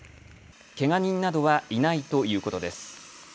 けが人などはいないということです。